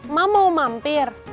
emak mau mampir